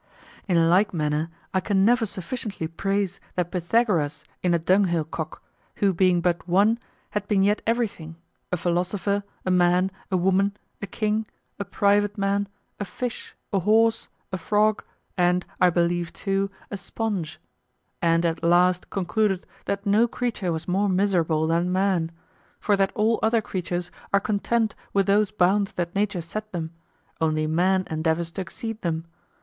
In like manner I can never sufficiently praise that Pythagoras in a dunghill cock, who being but one had been yet everything, a philosopher, a man, a woman, a king, a private man, a fish, a horse, a frog, and, I believe too, a sponge; and at last concluded that no creature was more miserable than man, for that all other creatures are content with those bounds that nature set them, only man endeavors to exceed them.